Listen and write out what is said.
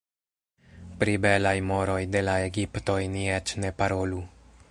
Pri belaj moroj de la egiptoj ni eĉ ne parolu.